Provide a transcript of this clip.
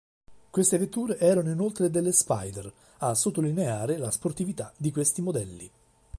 Queste vetture erano inoltre delle spider, a sottolineare la sportività di questi modelli.